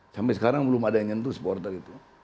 sampai sekarang belum ada yang nyentuh supporter itu